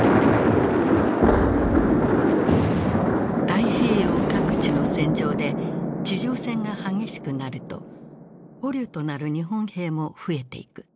太平洋各地の戦場で地上戦が激しくなると捕虜となる日本兵も増えていく。